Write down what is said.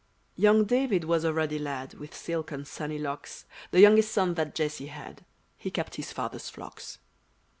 Young David was a ruddy lad With silken, sunny locks, The youngest son that Jesse had: He kept his father's flocks.